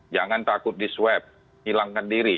jangan takut diswep hilangkan diri